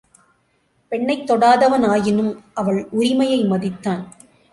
பெண்ணைத் தொடாதவன் ஆயினும் அவள் உரிமையை மதித்தான்.